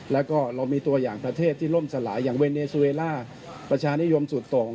แล้วก็เรามีตัวอย่างประเทศที่ล่มสลายอย่างเวเนซูเวล่าประชานิยมสุดส่ง